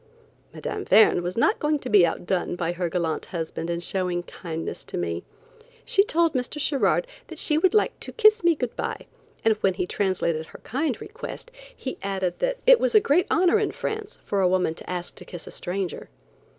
Mme. Verne was not going to be outdone by her gallant husband in showing kindness to me. She told Mr. Sherard that she would like to kiss me good bye, and when he translated her kind request, he added that it was a great honor in France, for a woman to ask to kiss a stranger.